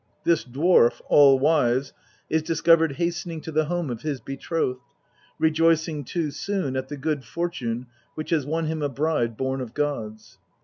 This dwarf, All wise, is discovered hastening to the home of his betrothed, rejoicing too soon at the good fortune which has won him a bride born of gods.